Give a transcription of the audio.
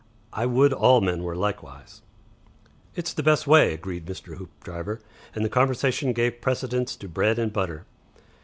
I would all men were likewise." "It's the best way," agreed Mr. Hoopdriver, and the conversation gave precedence to bread and butter.